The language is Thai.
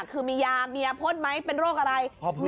คือมียาเมียพ่นไหมเป็นโรคอะไร